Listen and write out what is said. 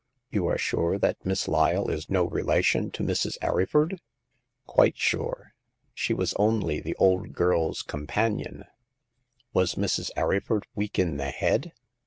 You are sure that Miss Lyle is no relation to Mrs. Arryford ?"" Quite sure. She was only the old girl's companion/' Was Mrs. Arryford weak in the head ?